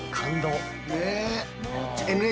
ねえ。